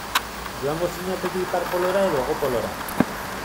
Joango zinateke Ipar Polora edo Hego Polora?